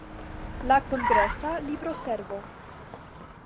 La kongresa libroservo.